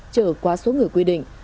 chở quá số người quy định